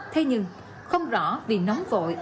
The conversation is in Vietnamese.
thế nhưng không rõ vì nóng vội